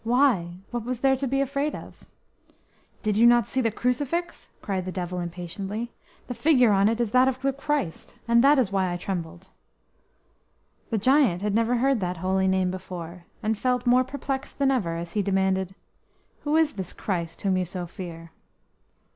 "Why, what was there to be afraid of?" "Did you not see the crucifix?" cried the Devil impatiently. "The figure on it is that of the Christ, and this is why I trembled." The giant had never heard that Holy Name before, and felt more perplexed than ever as he demanded: "Who is this Christ whom you so fear?"